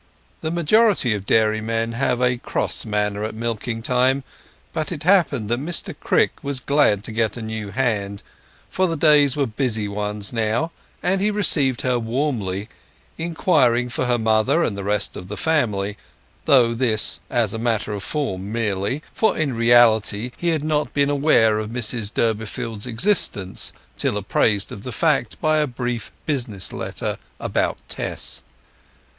The majority of dairymen have a cross manner at milking time, but it happened that Mr Crick was glad to get a new hand—for the days were busy ones now—and he received her warmly; inquiring for her mother and the rest of the family—(though this as a matter of form merely, for in reality he had not been aware of Mrs Durbeyfield's existence till apprised of the fact by a brief business letter about Tess).